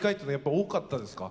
多かったですね。